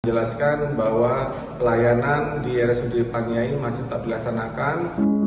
jelaskan bahwa pelayanan di rsj panyai masih tak dilaksanakan